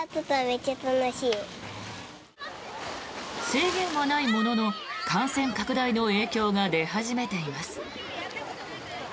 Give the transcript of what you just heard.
制限はないものの感染拡大の影響が出始めています。